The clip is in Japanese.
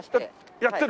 やってる？